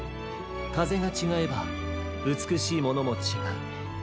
かぜがちがえばうつくしいものもちがう。